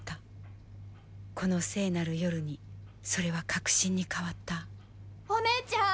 この聖なる夜にそれは確信に変わったお姉ちゃん。